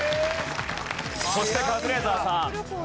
そしてカズレーザーさん。